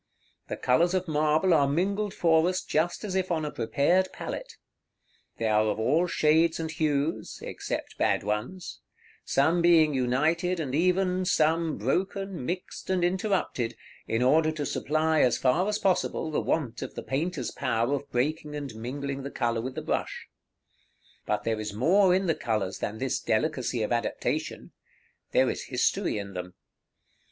The colors of marble are mingled for us just as if on a prepared palette. They are of all shades and hues (except bad ones), some being united and even, some broken, mixed, and interrupted, in order to supply, as far as possible, the want of the painter's power of breaking and mingling the color with the brush. But there is more in the colors than this delicacy of adaptation. There is history in them.